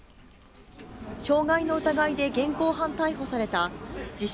傷害の疑いで現行犯逮捕された自称